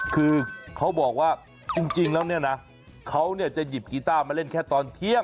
คือเขาบอกว่าจริงแล้วเนี่ยนะเขาจะหยิบกีต้ามาเล่นแค่ตอนเที่ยง